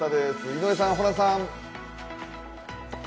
井上さん、ホランさん。